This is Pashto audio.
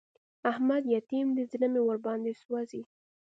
احمد يتيم دی؛ زړه مې ور باندې سوځي.